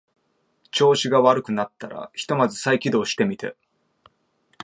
調子が悪くなったらひとまず再起動してみて